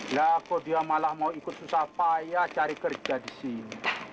lah kok dia malah mau ikut susah payah cari kerja di sini